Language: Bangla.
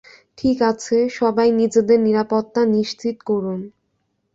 ঠিক আছে, সবাই নিজেদের নিরাপত্তা নিশ্চিত করুন।